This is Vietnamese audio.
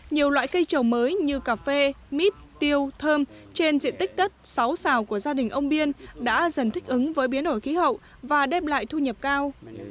nhiều loại cây trồng mới như cà phê mít tiêu thơm trên diện tích đất sáu xào của gia đình ông biên đã dần thích ứng với biến đổi khí hậu và đem lại thu nhập cao